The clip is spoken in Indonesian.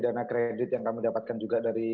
dana kredit yang kami dapatkan juga dari